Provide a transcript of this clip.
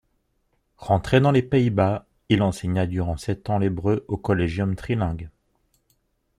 Rentré dans les Pays-Bas, il enseigna durant sept ans l'hébreu au Collegium Trilingue.